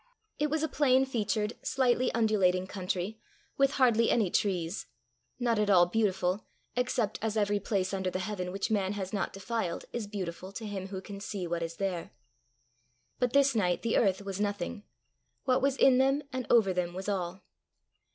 It was a plain featured, slightly undulating country, with hardly any trees not at all beautiful, except as every place under the heaven which man has not defiled is beautiful to him who can see what is there. But this night the earth was nothing: what was in them and over them was all.